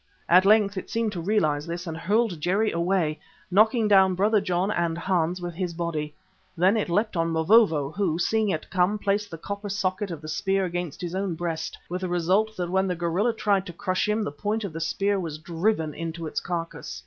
At length it seemed to realise this, and hurled Jerry away, knocking down Brother John and Hans with his body. Then it leapt on Mavovo, who, seeing it come, placed the copper socket of the spear against his own breast, with the result that when the gorilla tried to crush him, the point of the spear was driven into its carcase.